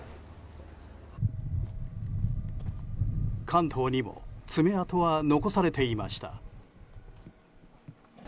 関東にも爪痕は残されていました。